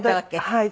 はい。